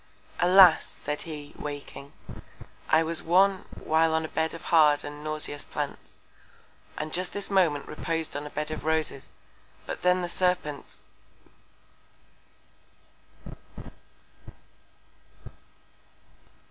Alas! said he, waking, I was one while upon a Bed of hard and nauseous Plants, and just this Moment repos'd on a Bed of Roses. But then the Serpent.